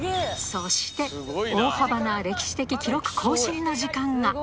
そして、大幅な歴史的記録更新の時間が。